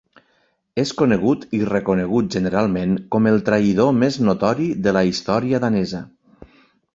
És conegut i reconegut generalment com el traïdor més notori de la història danesa.